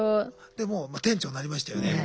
でも店長になりましたよね。